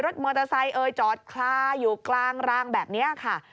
มอเตอร์ไซค์เอ่ยจอดคลาอยู่กลางรางแบบนี้ค่ะ